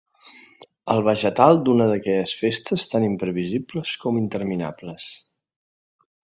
El vegetal d'una d'aquelles festes tan imprevisibles com interminables.